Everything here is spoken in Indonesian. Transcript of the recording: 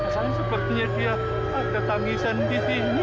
dari mana ya sepertinya dia ada tangisan di sini